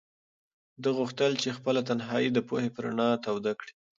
ده غوښتل چې خپله تنهایي د پوهې په رڼا توده کړي.